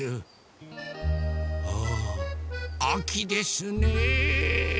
あぁあきですね。